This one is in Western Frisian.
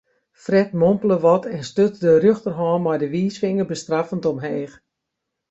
Fred mompele wat en stuts de rjochterhân mei de wiisfinger bestraffend omheech.